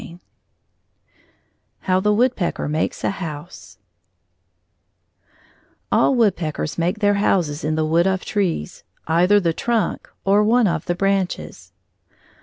IV HOW THE WOODPECKER MAKES A HOUSE All woodpeckers make their houses in the wood of trees, either the trunk or one of the branches.